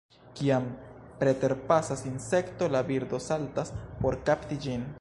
Kiam preterpasas insekto, la birdo saltas por kapti ĝin.